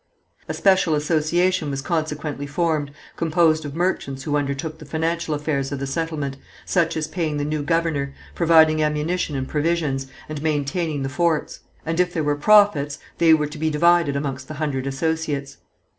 A special association was consequently formed, composed of merchants who undertook the financial affairs of the settlement, such as paying the new governor, providing ammunition and provisions, and maintaining the forts; and if there were profits they were to be divided amongst the Hundred Associates.